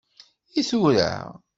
I tura?